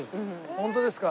本当ですか。